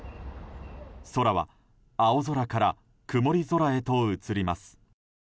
空は、青空から曇り空へと移ります。